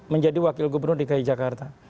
menjadi wakil gubernur dki jakarta